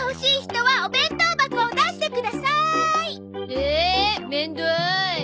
えめんどーい。